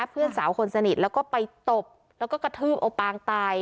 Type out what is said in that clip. เพื่อนสาวคนสนิทแล้วก็ไปตบแล้วก็กระทืบเอาปางตาย